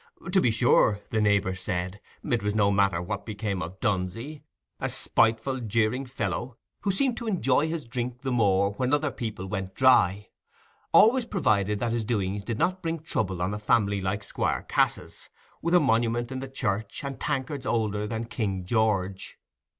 To be sure, the neighbours said, it was no matter what became of Dunsey—a spiteful jeering fellow, who seemed to enjoy his drink the more when other people went dry—always provided that his doings did not bring trouble on a family like Squire Cass's, with a monument in the church, and tankards older than King George.